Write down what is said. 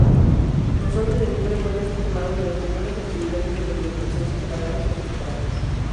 Los hombres de mimbre pueden ser quemados durante algunas festividades de reminiscencias paganas contemporáneas.